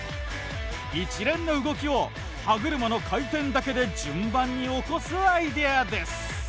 一連の動きを歯車の回転だけで順番に起こすアイデアです。